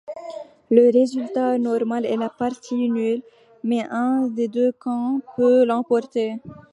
Le résultat normal est la partie nulle, mais un des deux camps peut l'emporter.